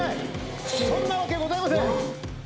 ⁉そんなわけございません。